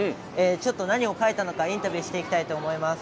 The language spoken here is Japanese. ちょっと何を書いたのかインタビューしていきたいと思います。